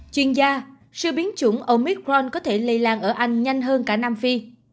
chuyên gia sự biến chủng omicron có thể lây lan ở anh nhanh hơn cả nam phi